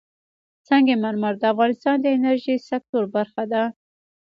سنگ مرمر د افغانستان د انرژۍ سکتور برخه ده.